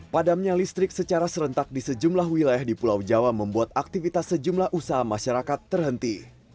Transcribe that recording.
padamnya listrik secara serentak di sejumlah wilayah di pulau jawa membuat aktivitas sejumlah usaha masyarakat terhenti